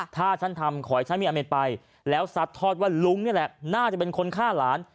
ถ้าฉันทำขอให้ฉันมีอาเมนไปแล้วซัดทอดว่าลุงนี่แหละน่าจะเป็นคนฆ่าหลาน